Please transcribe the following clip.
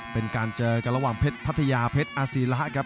เป็นการเจอกันระหว่างเพชรพัทยาเพชรอศีระครับ